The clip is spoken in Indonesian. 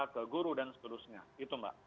ke guru dan seterusnya itu mbak